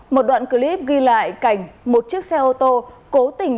một đoạn clip ghi lại cảnh một chiếc xe ô tô cố tình chạy vào đường